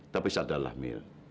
tapi sadarlah mil